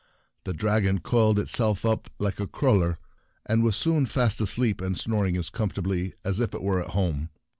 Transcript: The dragon coiled itself up like a cruller, and was soon fast asleep and snoring as comfort ably as if it were at home.